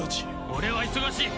俺は忙しい！